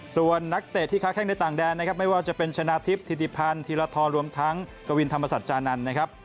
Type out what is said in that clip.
ส่วนนักเตะที่ค้าแข้งในต่างแดนนะครับไม่ว่าจะเป็นชนะทิพย์ธิติพันธ์ธีรทรรวมทั้งกวินธรรมศาจานันทร์นะครับ